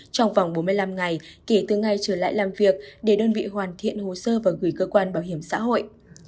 trong vòng bốn mươi năm ngày kể từ ngày trở lại làm việc để đơn vị hoàn thiện hồ sơ và gửi cơ quan bảo hiểm xã hội